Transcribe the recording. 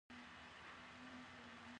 ډيپلومات د هېواد لپاره فرصتونه لټوي.